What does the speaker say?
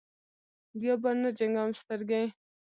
بیا به نه جنګوم سترګې.